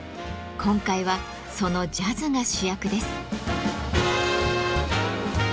今回はそのジャズが主役です。